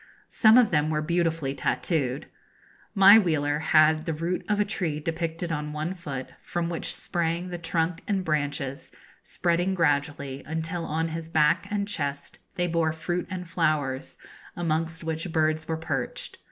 Some of them were beautifully tattooed. My wheeler had the root of a tree depicted on one foot, from which sprang the trunk and branches, spreading gradually, until on his back and chest they bore fruit and flowers, amongst which birds were perched.